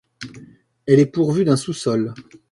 Elle est pourvue d'un sous-sol.